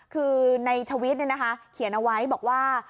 คือในทวิตเขียนเอาไว้บอกว่า